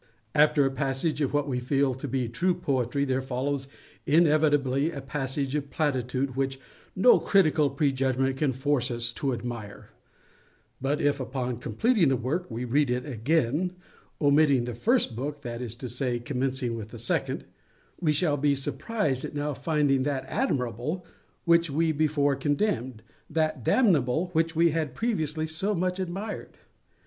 After a passage of what we feel to be true poetry, there follows, inevitably, a passage of platitude which no critical prejudgment can force us to admire; but if, upon completing the work, we read it again, omitting the first book—that is to say, commencing with the second—we shall be surprised at now finding that admirable which we before condemned—that damnable which we had previously so much admired.